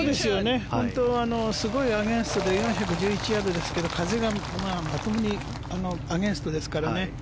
本当にすごいアゲンストで４１１ヤードですけど風がまともにアゲンストですからね